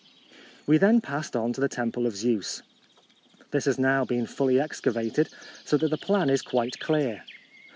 AVe then passed on to the temple of Zeus. This has now been fully ex cavated, so that the plan is quite clear.